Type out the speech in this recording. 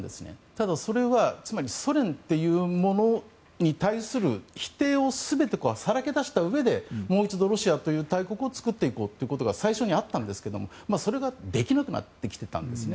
ただ、それはつまりソ連というものに対する否定を全てさらけ出したうえでもう一度ロシアという大国を作っていこうということが最初にあったんですけどもそれができなくなってきてたんですね。